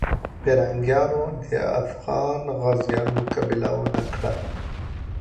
پرنګیان د افغان غازیو مقابله ونه کړه.